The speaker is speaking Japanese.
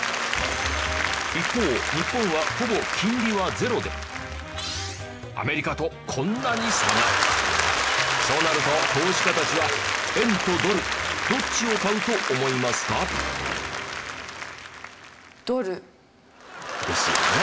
一方日本はほぼ金利はゼロでアメリカとこんなに差が。そうなると投資家たちは円とドルどっちを買うと思いますか？ですよね。